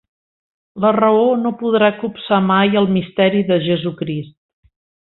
La raó no podrà copsar mai el misteri de Jesucrist.